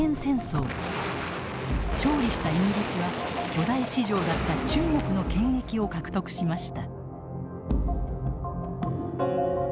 勝利したイギリスは巨大市場だった中国の権益を獲得しました。